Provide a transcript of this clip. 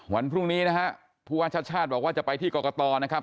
วันพรุ่งนี้นะฮะผู้ว่าชาติชาติบอกว่าจะไปที่กรกตนะครับ